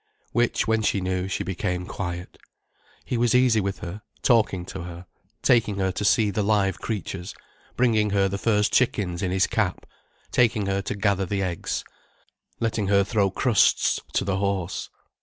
Which, when she knew, she became quiet. He was easy with her, talking to her, taking her to see the live creatures, bringing her the first chickens in his cap, taking her to gather the eggs, letting her throw crusts to the horse.